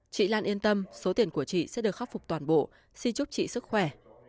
chị lan yên tâm số tiền của chị sẽ được khắc phục toàn bộ xin chúc chị sức khỏe